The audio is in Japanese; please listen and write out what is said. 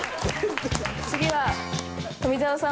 次は富澤さん